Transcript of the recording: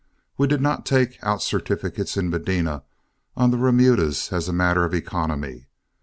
We did not take out certificates in Medina on the remudas as a matter of economy.